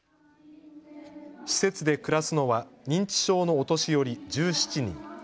施設で暮らすのは認知症のお年寄り１７人。